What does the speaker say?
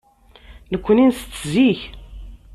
Nekkni nettett zik.